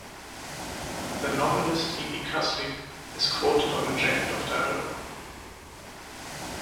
The novelist Ibi Kaslik is quoted on the jacket of the album.